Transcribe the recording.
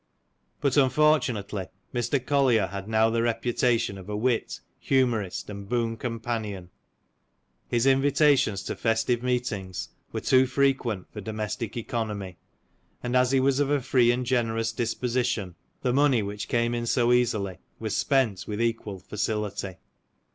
'' But un fortunately, Mr. Collier had now the reputation of a wit, humorist, and boon companion ; his invitations to festive meetings were too frequent for domestic economy ; and as he was of a free and generous disposition, the money which came in so easily, was spent with equal facility.